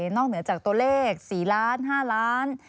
เหนือจากตัวเลข๔ล้าน๕ล้าน